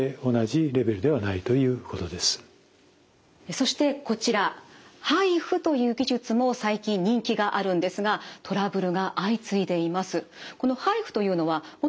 そしてこちらＨＩＦＵという技術も最近人気があるんですがトラブルが相次いでいます。